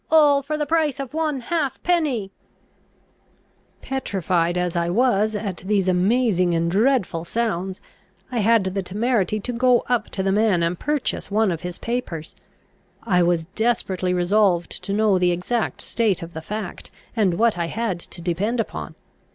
All for the price of one halfpenny_." Petrified as I was at these amazing and dreadful sounds, I had the temerity to go up to the man and purchase one of his papers. I was desperately resolved to know the exact state of the fact, and what I had to depend upon.